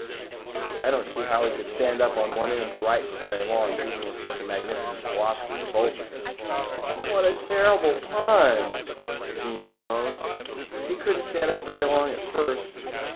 _'" "I don't see how he could stand up on end to write for very long, even with such a magnificent philosophy to bolster him." "What a terrible pun," Jean groaned. "He couldn't stand up very long at first.